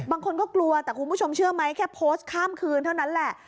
บางคนก็กลัวแต่คุณผู้ชมเชื่อไหมแค่โพสต์ข้ามคืนเท่านั้นแหละ